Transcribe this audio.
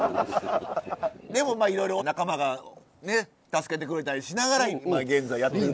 でもまあいろいろ仲間がね助けてくれたりしながらいま現在やってる。